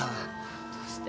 どうして？